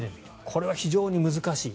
これは非常に難しい。